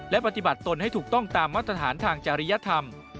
และปฏิบัติตนให้ถูกต้องตามมาตรฐานทางจริยธรรม